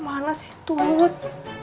mama harus cari kemana tut